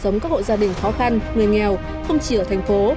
sống các hộ gia đình khó khăn người nghèo không chỉ ở thành phố